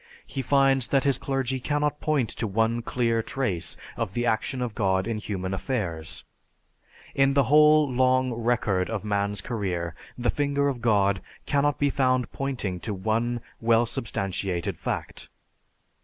He finds that his clergy cannot point to one clear trace of the action of God in human affairs. In the whole long record of man's career the finger of God cannot be found pointing to one well substantiated fact.